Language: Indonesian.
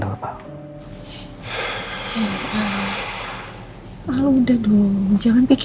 tetap dengan empuk